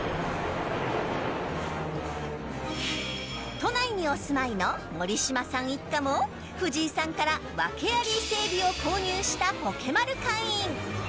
都内にお住まいの森島さん一家も藤井さんから訳あり商品を購入したポケマル会員。